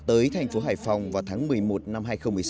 tới thành phố hải phòng vào tháng một mươi một năm hai nghìn một mươi sáu